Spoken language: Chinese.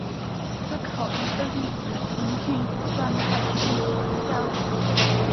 思考一个粒子从静止状态自由地下落。